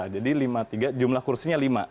jadi lima puluh tiga jumlah kursinya lima